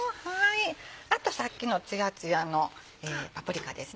あとさっきのツヤツヤのパプリカですね。